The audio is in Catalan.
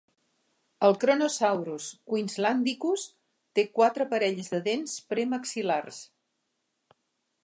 El "Kronosaurus queenslandicus" té quatre parells de dents premaxil·lars.